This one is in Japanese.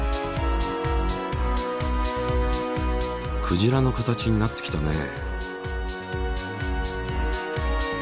クジラの形になってきたね。